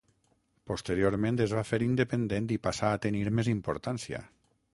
Posteriorment es va fer independent i passà a tenir més importància.